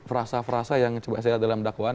frasa frasa yang coba saya lihat dalam dakwaan